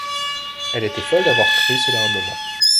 Elle était folle d’avoir cru cela un moment.